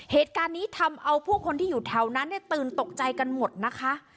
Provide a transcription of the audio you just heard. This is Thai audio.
เหตุการณ์นี้ทำเอาผู้คนที่อยู่แถวนั้นเนี่ยตื่นตกใจกันหมดนะคะ